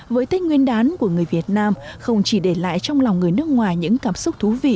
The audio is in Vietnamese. với tết nguyên đán của người việt nam không chỉ để lại trong lòng người nước ngoài những cảm xúc thú vị